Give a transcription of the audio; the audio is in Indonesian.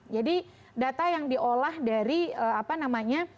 jadi data yang diolah dari apa namanya